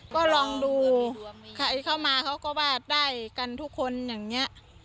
ก็ลองดูใครเข้ามาเขาก็วาดได้กันทุกคนอย่างนี้